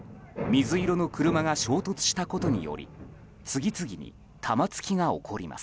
水色の車が衝突したことにより次々に玉突きが起こります。